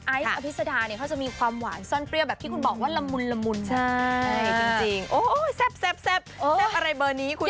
ไอส์อภิษฎาเนี่ยเขาจะมีความหวานสั้นเปรี้ยวแบบที่คุณบอกว่าละมุน